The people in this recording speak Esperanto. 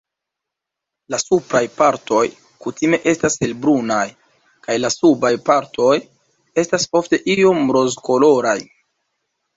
La supraj partoj kutime estas helbrunaj, kaj la subaj partoj estas ofte iom rozkoloraj.